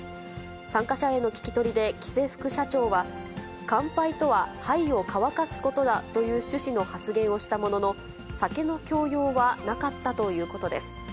参加者への聞き取りで、喜せ副社長は、乾杯とは杯を乾かすことだという趣旨の発言をしたものの、酒の強要はなかったということです。